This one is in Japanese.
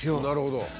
なるほど。